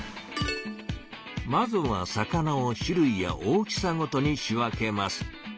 まずは魚を種類や大きさごとに仕分けます。